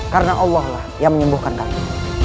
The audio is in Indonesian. karena allah yang menyembuhkan kami